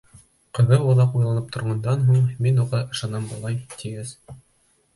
Ҡыҙы оҙаҡ уйланып торғандан һуң, мин уға ышанам былай, тигәс: